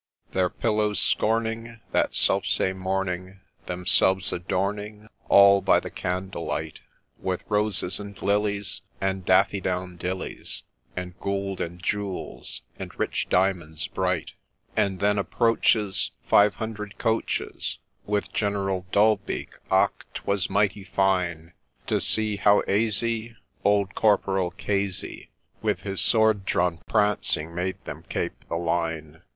Their pillows scorning, that self same morning Themselves adorning, all by the candle light, With roses and lilies, and daffy down dillies, And gould and jewels, and rich di'mouds bright. And then approaches five hundred coaches, With General Dullbeak. — Och ! 'twas mighty fine To see how asy bould Corporal Casey, With his sword drawn, prancing made them kape the line.